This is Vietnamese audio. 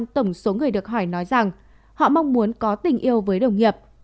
bốn mươi năm bảy tổng số người được hỏi nói rằng họ mong muốn có tình yêu với đồng nghiệp